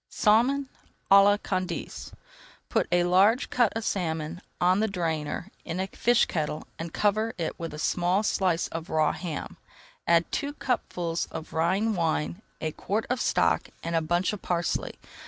SALMON À LA CANDACE Put a large cut of salmon on the drainer in a fish kettle and cover it with a small slice of raw ham. Add two cupfuls of Rhine wine, a quart of stock, and a bunch of parsley.